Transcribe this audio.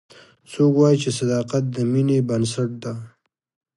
څوک وایي چې صداقت د مینې بنسټ ده